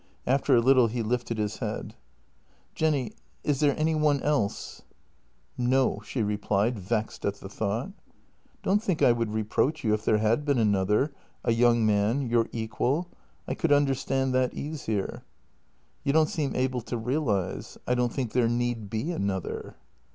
After a little he lifted his head: " Jenny, is there any one else? "" No," she replied, vexed at the thought. " Don't think I would reproach you if there had been another — a young man — your equal; I could understand that easier." "You don't seem able to realize — I don't 'think there need be another."